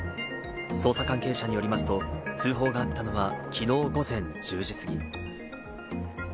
捜査関係者によりますと、通報があったのはきのう午前１０時過ぎ。